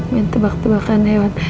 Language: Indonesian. main tebak tebakan hewan